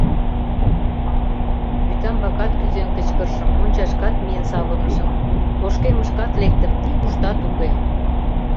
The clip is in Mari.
— Вӱтамбакат кӱзен кычкырышым, мончашкат миен савырнышым, тошкемышкат лектым — нигуштат уке.